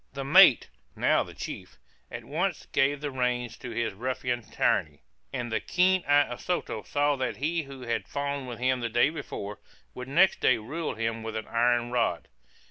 The mate (now the chief) at once gave the reins to his ruffian tyranny; and the keen eye of Soto saw that he who had fawned with him the day before, would next day rule him with an iron rod.